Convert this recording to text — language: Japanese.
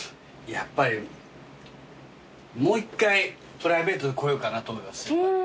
やっぱりもう一回プライベートで来ようかなと思います。